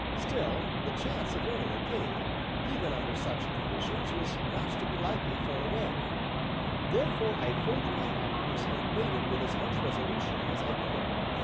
Still, the chance of earning a guinea, even under such conditions, was not to be lightly thrown away; therefore I folded my arms and waited with as much resolution as I could.